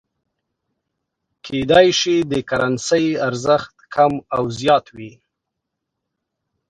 کېدای شي د کرنسۍ ارزښت کم او یا زیات وي.